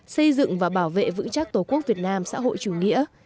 xây dựng và bảo vệ vững chắc tổ quốc việt nam xã hội chủ nghĩa